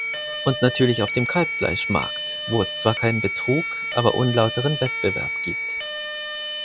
Und natürlich auf den Kalbfleischmarkt, wo es zwar keinen Betrug, aber unlauteren Wettbewerb gibt.